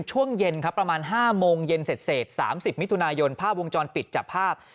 ช่วงเย็นครับประมาณ๕โมงเย็นเสร็จ๓๐มิถุนายนภาพวงจรปิดจับภาพ